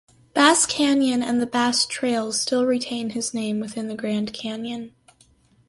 Bass Canyon and the Bass Trails still retain his name within the Grand Canyon.